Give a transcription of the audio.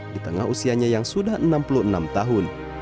di tengah usianya yang sudah enam puluh enam tahun